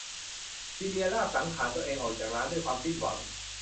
ซีเลียลากสังขาลตัวเองออกจากร้าน ด้วยความสิ้นหวัง